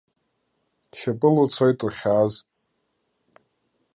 Шьапыла уцоит уахьааз!